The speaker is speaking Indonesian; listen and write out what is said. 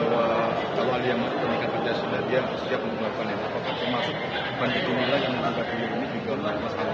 apakah termasuk bantu dunila yang menangkap dia ini di gondak masjid ketua sama